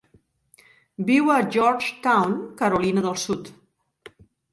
Viu a Georgetown, Carolina del Sud.